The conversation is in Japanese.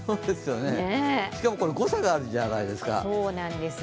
しかも誤差があるじゃないですか。